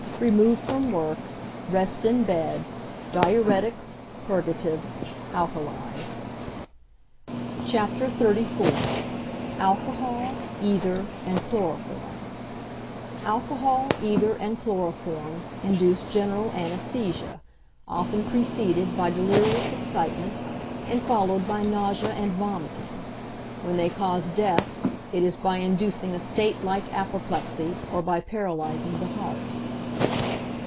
_ Remove from work, rest in bed, diuretics, purgatives, alkalies. XXXIV. ALCOHOL, ETHER, AND CHLOROFORM Alcohol, ether, and chloroform, induce general anæsthesia, often preceded by delirious excitement, and followed by nausea and vomiting. When they cause death, it is by inducing a state like apoplexy or by paralyzing the heart.